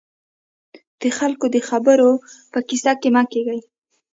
د خلکو د خبرو په کيسه کې مه کېږئ.